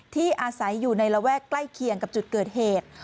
ที่อาศัยอยู่ในระแวกใกล้เคียงกับจุดเกิดเหตุ